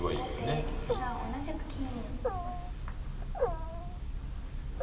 後手１三同じく金。